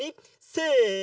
せの！